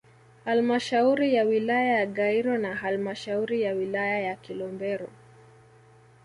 Halmashauri ya wilaya ya Gairo na halmashauri ya wilaya ya Kilombero